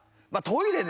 トイレ